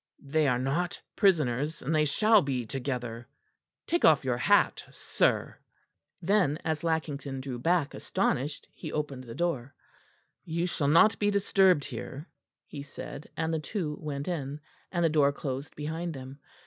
"They are not prisoners; and they shall be together. Take off your hat, sir." Then, as Lackington drew back astonished, he opened the door. "You shall not be disturbed here," he said, and the two went in, and the door closed behind them.